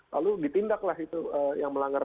lalu ditindaklah itu yang melanggar